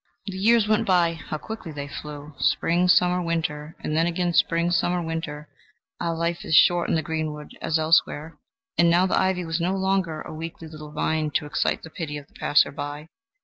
The years went by; how quickly they flew, spring, summer, winter, and then again spring, summer, winter, ah, life is short in the greenwood as elsewhere! And now the ivy was no longer a weakly little vine to excite the pity of the passer by.